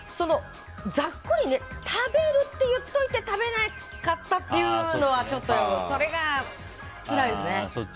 ざっくり食べるって言っておいて食べなかったっていうのはちょっとそれが、つらいですね。